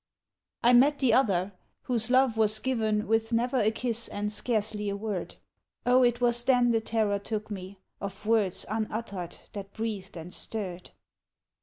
I met the other, whose love was given With never a kiss and scarcely a word Oh, it was then the terror took me Of words unuttered that breathed and stirred.